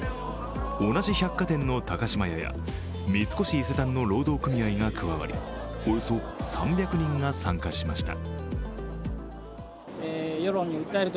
同じ百貨店の高島屋や三越伊勢丹の労働組合が加わりおよそ３００人が参加しました。